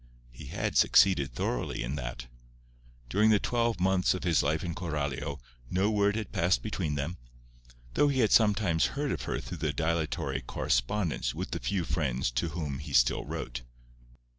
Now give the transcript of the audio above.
He had succeeded thoroughly in that. During the twelve months of his life in Coralio no word had passed between them, though he had sometimes heard of her through the dilatory correspondence with the few friends to whom he still wrote.